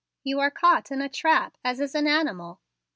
You are caught in a trap as is an animal."